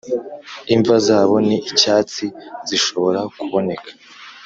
“imva zabo ni icyatsi, zishobora kuboneka.”